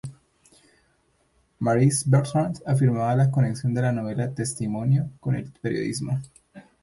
Maryse Bertrand afirmaba la conexión de la novela testimonio con el periodismo.